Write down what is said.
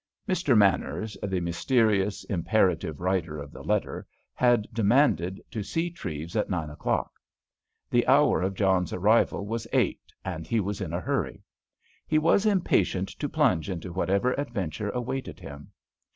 Mr. Manners, the mysterious, imperative writer of the letter, had demanded to see Treves at nine o'clock. The hour of John's arrival was eight, and he was in a hurry. He was impatient to plunge into whatever adventure awaited him.